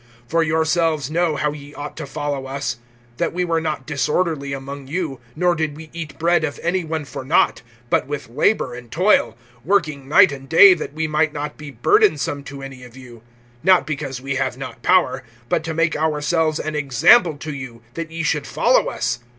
(7)For yourselves know how ye ought to follow us; that we were not disorderly among you, (8)nor did we eat bread of any one for naught, but with labor and toil, working night and day that we might not be burdensome to any of you; (9)not because we have not power, but to make ourselves an example to you, that ye should follow us.